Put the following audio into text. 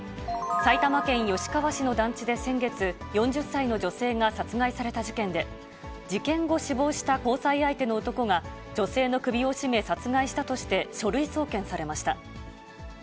埼玉県吉川市の団地で先月、４０歳の女性が殺害された事件で、事件後、死亡した交際相手の男が、女性の首を絞め殺害したとして、書類送検されました。